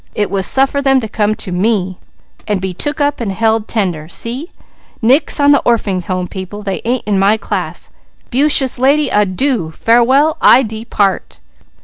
It was suffer them to come to 'Me,' and be took up, and held tender. See? Nix on the Orphings' Home people. They ain't in my class. Beaucheous lady, adoo! Farewell! I depart!"